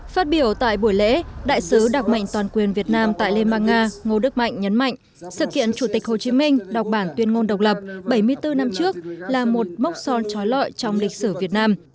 phát biểu tại buổi lễ đại sứ đặc mệnh toàn quyền việt nam tại liên bang nga ngô đức mạnh nhấn mạnh sự kiện chủ tịch hồ chí minh đọc bản tuyên ngôn độc lập bảy mươi bốn năm trước là một mốc son trói lọi trong lịch sử việt nam